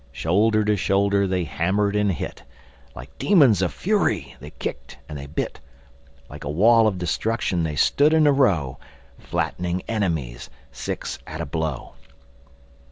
Shoulder to shoulder, they hammered and hit. Like demons of fury they kicked and they bit. Like a wall of destruction they stood in a row, Flattening enemies, six at a blow.